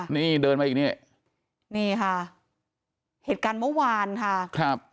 นี่ยเดินมาอีกนี้เหตุการณ์เมาหวานค่ะ